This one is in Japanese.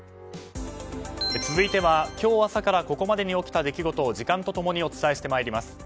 続いては今日朝からここまでに起きた出来事を時間と共にお伝えしてまいります。